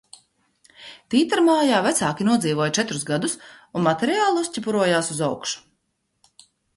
Tītarmājā vecāki nodzīvoja četrus gadus un materiāli uzķeparojās uz augšu.